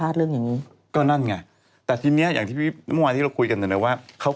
เขาก่อนเข้าไปเนี่ยเขาบอกแม่บอกว่า